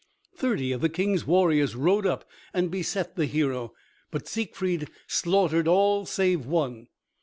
Thirty of the King's warriors rode up and beset the hero, but Siegfried slaughtered all save one.